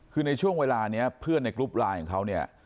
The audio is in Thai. คือในช่วงเวลานี้เพื่อนในกรุ๊ปไลน์ของเขาเนี่ย